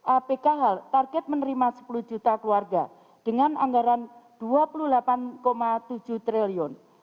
apkh target menerima sepuluh juta keluarga dengan anggaran rp dua puluh delapan tujuh triliun